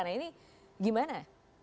nah ini gimana